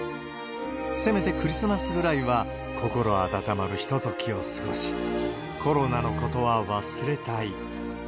せめてクリスマスぐらいは、心温まるひとときを過ごし、コロナのことは忘れたい。